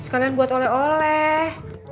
kalian buat oleh oleh